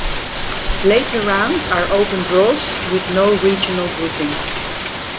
Later rounds are open draws with no regional grouping.